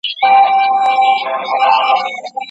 آیا ته به نن شپه په هغه بل مېلمستون کې هم ډوډۍ وخورې؟